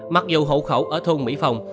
mặc dù hậu khẩu ở thôn mỹ phong